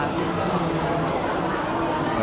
ค่ะ